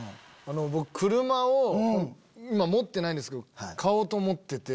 僕車を今持ってないんですけど買おうと思ってて。